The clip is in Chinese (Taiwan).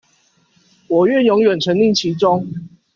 我願永遠沈溺其中